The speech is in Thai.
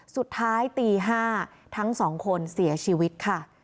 สุดท้ายตี๕ทั้ง๒คนเสียชีวิตค่ะ